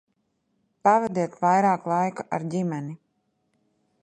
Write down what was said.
Pavadiet vairāk laika ar ģimeni!